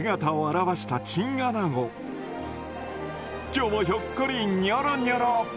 今日もひょっこりにょろにょろ。